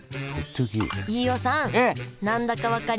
飯尾さん何だか分かりますか？